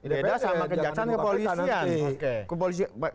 beda sama kejaksaan kepolisian